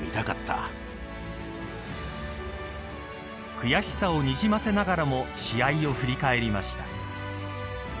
悔しさをにじませながらも試合を振り返りました。